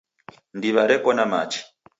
Ndiwa reko na machi